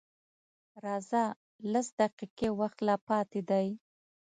_راځه! لس دقيقې وخت لا پاتې دی.